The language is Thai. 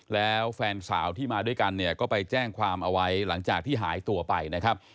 แล้วแฟนสาวที่มาด้วยกันเนี่ยก็ไปแจ้งความเอาไว้หลังจากที่หายตัวไปนะครับ